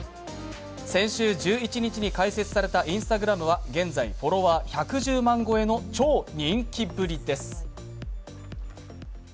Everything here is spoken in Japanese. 先週１１日に開設されたＩｎｓｔａｇｒａｍは現在、フォロワー１１０万超えの超人気ぶりです。